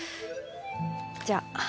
じゃあ。